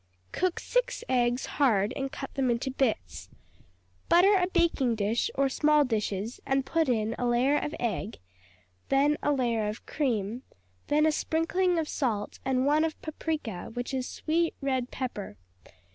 Cook six eggs hard and cut them into bits. Butter a baking dish, or small dishes, and put in a layer of egg, then a layer of cream, then a sprinkling of salt, and one of paprika, which is sweet red pepper.